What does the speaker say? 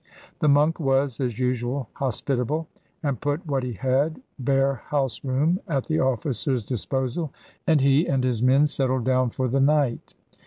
The monk was, as usual, hospitable, and put what he had, bare house room, at the officer's disposal, and he and his men settled down for the night.